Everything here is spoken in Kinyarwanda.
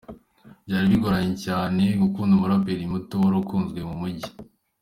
Byari bigoranye cyane gukunda umuraperi muto wari ukunzwe mu mujyi.